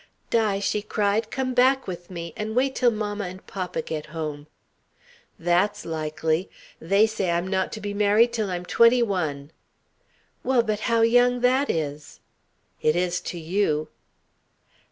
"Di," she cried, "come back with me and wait till mamma and papa get home." "That's likely. They say I'm not to be married till I'm twenty one." "Well, but how young that is!" "It is to you."